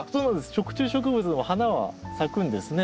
食虫植物も花は咲くんですね。